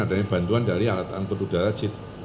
adanya bantuan dari alat angkut udara c satu ratus tiga puluh